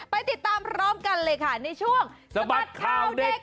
ไปติดตามพร้อมกันเลยค่ะในช่วงสะบัดข่าวเด็ก